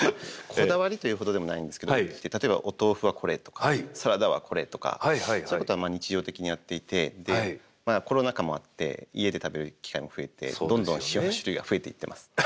こだわりというほどでもないんですけど例えばお豆腐はこれとかサラダはこれとかそういうことは日常的にやっていてコロナ禍もあって家で食べる機会も増えてどんどん塩の種類が増えていってます。